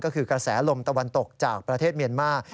ก็คือกระแสลมตะวันตกจากประเทศเมียนมาร์